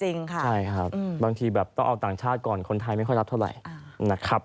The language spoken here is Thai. จริงค่ะใช่ครับบางทีแบบต้องออกต่างชาติก่อนคนไทยไม่ค่อยรับเท่าไหร่นะครับ